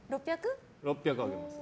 ６００あげます。